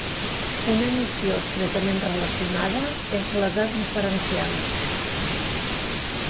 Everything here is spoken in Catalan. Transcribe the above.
Una noció estretament relacionada és la de diferencial.